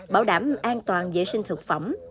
bảo đảm an toàn vệ sinh thực phẩm